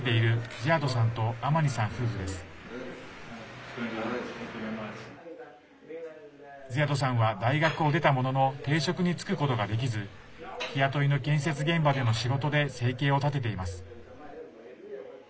ズィアドさんは大学を出たものの定職に就くことができず日雇いの建設現場での仕事で生計を立てています。